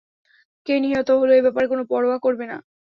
কে নিহত হলো, এ ব্যাপারে কোন পরোয়া করবে না।